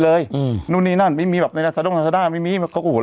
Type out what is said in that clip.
เลยอืมนู่นนี่นั่นไม่มีแบบในราซาดาไม่มีเขาก็หัวรอ